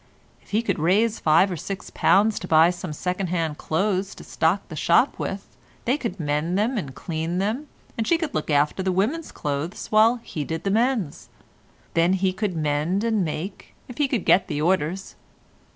If he could raise five or six pounds to buy some second hand clothes to stock the shop with, they could mend them and clean them, and she could look after the women's clothes while he did the men's. Then he could mend and make, if he could get the orders.